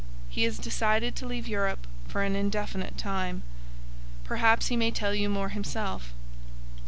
He has decided to leave Europe for an indefinite time. Perhaps he may tell you more himself.